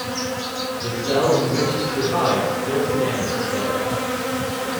The cell in which he survived still stands today.